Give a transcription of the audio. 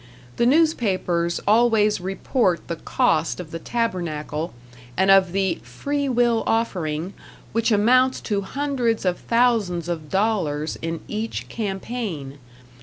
The newspapers always report the cost of the tabernacle, and of the "free will offering", which amounts to hundreds of thousands of dollars in each "campaign".